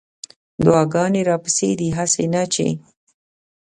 دعاګانې راپسې دي هسې نه چې